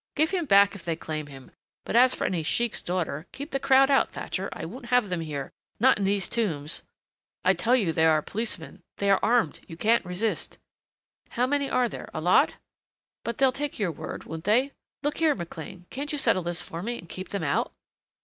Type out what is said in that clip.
Give him back, if they claim him. But as for any sheik's daughter keep the crowd out, Thatcher, I won't have them here, not in these tombs " "I tell you they are policemen they are armed you can't resist " "How many are they? A lot? But they'll take your word, won't they? Look here, McLean, can't you settle this for me and keep them out?"